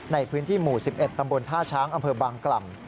ในพื้นที่หมู่๑๑ตำบลท่าช้างอำเภอบางกล่ำ